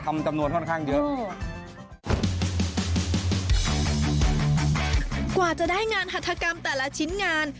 ผ่านไหมครับมาก